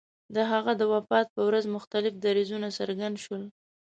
د هغه د وفات په ورځ مختلف دریځونه څرګند شول.